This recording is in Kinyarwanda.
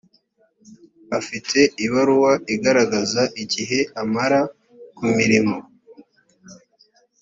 afite ibaruwa igaragaza igihe amara ku mirimo